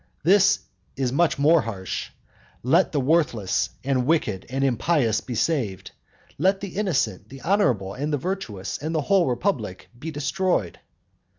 This is much more harsh, "Let the worthless, and wicked and impious be saved, let the innocent, the honourable, the virtuous, the whole republic be destroyed."